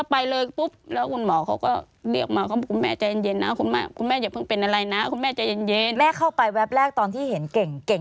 ไปเลยค่ะแล้วไงต่อค่ะ